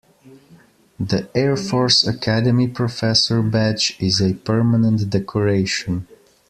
The Air Force Academy Professor Badge is a permanent decoration.